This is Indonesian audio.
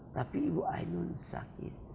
tapi ibu ainun sakit